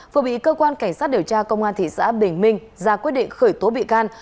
vừa bị cơ quan cảnh sát điều tra công an thị xã bình minh ra quyết định khởi tố bị can